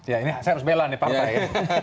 ya ini saya harus bela nih partai ya